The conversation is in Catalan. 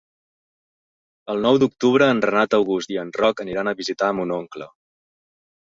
El nou d'octubre en Renat August i en Roc aniran a visitar mon oncle.